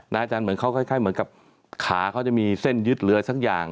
อาจารย์เหมือนเขาคล้ายเหมือนกับขาเขาจะมีเส้นยึดเรือสักอย่าง